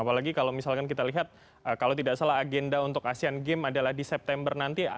apalagi kalau misalkan kita lihat kalau tidak salah agenda untuk asean games adalah di september nanti